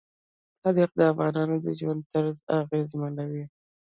تاریخ د افغانانو د ژوند طرز اغېزمنوي.